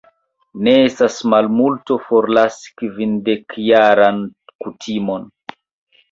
Ne estas malmulto, forlasi kvindekjaran kutimon.